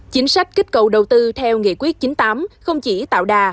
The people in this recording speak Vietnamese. chính sách kích cầu đầu tư theo nghị quyết chín mươi tám không chỉ tạo đà